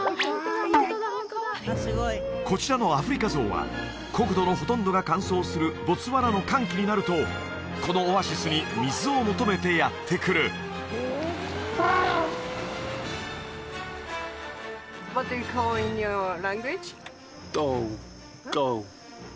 こちらのアフリカゾウは国土のほとんどが乾燥するボツワナの乾期になるとこのオアシスに水を求めてやって来る「ドウ」？